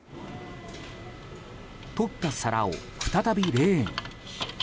取った皿を再びレーンに。